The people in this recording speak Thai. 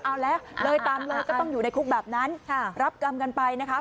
เอาแล้วเลยตามเลยก็ต้องอยู่ในคุกแบบนั้นรับกรรมกันไปนะคะ